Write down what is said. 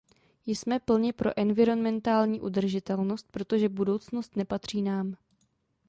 Jsme plně pro environmentální udržitelnost, protože budoucnost nepatří nám.